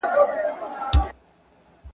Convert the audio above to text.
هغوی تېره میاشت خپل پلانونه ولېکل